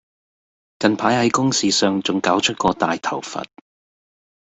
近排喺公事上仲搞出個大頭佛